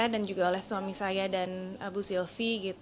dan juga oleh suami saya dan abu silvi